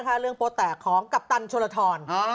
อันดับ๒เรื่องโป๊ะแตกของกัปตันโชลธร